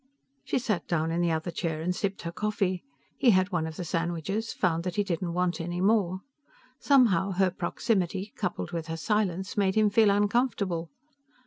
She sat down in the other chair and sipped her coffee. He had one of the sandwiches, found that he didn't want any more. Somehow, her proximity, coupled with her silence, made him feel uncomfortable.